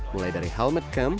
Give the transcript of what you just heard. mulai dari helmetcam